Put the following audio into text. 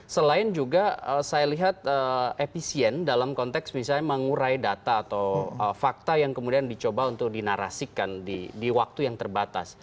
selain juga saya lihat efisien dalam konteks misalnya mengurai data atau fakta yang kemudian dicoba untuk dinarasikan di waktu yang terbatas